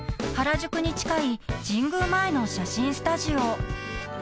［原宿に近い神宮前の写真スタジオ］